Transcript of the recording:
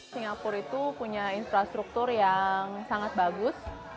singapura itu punya infrastruktur yang sangat bagus